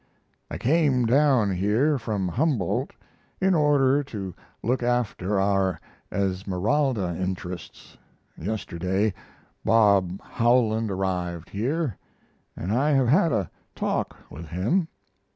I came down here from Humboldt, in order to look after our Esmeralda interests. Yesterday, Bob Howland arrived here, and I have had a talk with him.